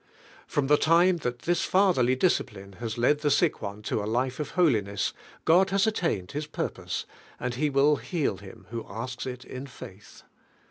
From the time that this Fatherly disci pline has led ihe sick one le a life of hoi iness, God lias attained His purpose, anil He will heal him who asks it in faith.